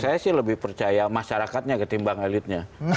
saya sih lebih percaya masyarakatnya ketimbang elitnya